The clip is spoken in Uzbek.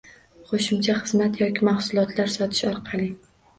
Qo’shimcha xizmat yoki mahsulotlar sotish orqali